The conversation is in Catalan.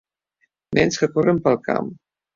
Nens que corren pel camp.